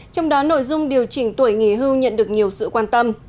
trong đó nội dung điều chỉnh tuổi nghỉ hưu nhận được nhiều sự quan tâm